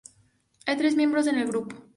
Hay tres miembros en el grupo.